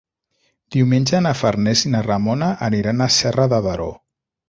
Diumenge na Farners i na Ramona aniran a Serra de Daró.